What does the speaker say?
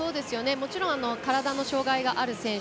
もちろん体の障がいがある選手